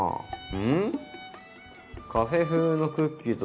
うん。